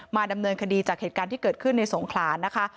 ดำเนินคดีจากเหตุการณ์ที่เกิดขึ้นในสงขลานะคะ